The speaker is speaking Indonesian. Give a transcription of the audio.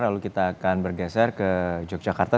lalu kita akan bergeser ke yogyakarta